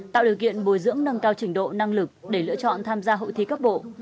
tạo điều kiện bồi dưỡng nâng cao trình độ năng lực để lựa chọn tham gia hội thi cấp bộ